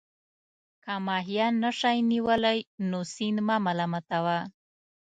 که ماهیان نه شئ نیولای نو سیند مه ملامتوه.